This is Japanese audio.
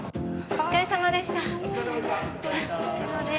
お疲れさまでした。